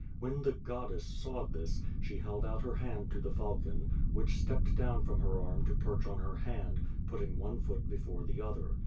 When the "goddess" saw this, she held out her hand to the falcon, which stepped down from her arm to perch on her hand, putting one foot before the other.